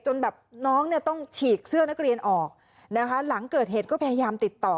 จนแบบน้องเนี่ยต้องฉีกเสื้อนักเรียนออกนะคะหลังเกิดเหตุก็พยายามติดต่อ